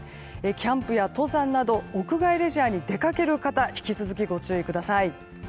キャンプや登山など屋外レジャーに出かける方引き続き、ご注意ください。